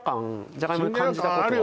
じゃがいもに感じたことは？